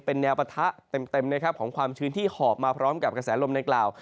เป็นแนวปะทะเต็มนะครับของความชื้นที่หอบมาพร้อมกับกระแสลมดังกล่าว